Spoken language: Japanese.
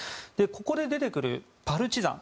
ここで出てくるパルチザン